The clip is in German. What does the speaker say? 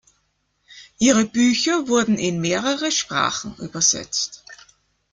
Ihre Bücher wurden in mehrere Sprachen übersetzt.